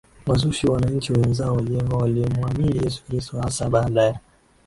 wazushi wananchi wenzao waliomuamini Yesu Kristo hasa baada ya